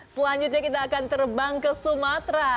selanjutnya kita akan terbang ke sumatera